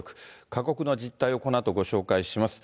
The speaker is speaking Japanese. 過酷な実態をこのあとご紹介します。